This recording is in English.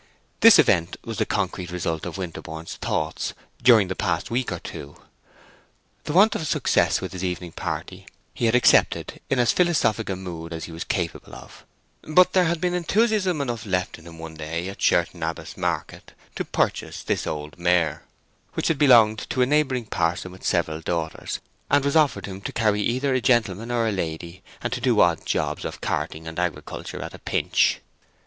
This event was the concrete result of Winterborne's thoughts during the past week or two. The want of success with his evening party he had accepted in as philosophic a mood as he was capable of; but there had been enthusiasm enough left in him one day at Sherton Abbas market to purchase this old mare, which had belonged to a neighboring parson with several daughters, and was offered him to carry either a gentleman or a lady, and to do odd jobs of carting and agriculture at a pinch.